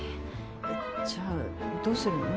じゃあどうするの？